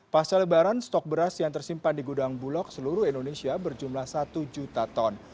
pasca lebaran stok beras yang tersimpan di gudang bulog seluruh indonesia berjumlah satu juta ton